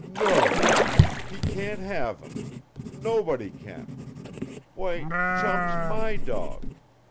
"NO!! He can't have him! Nobody can! Why Chum's my dawg!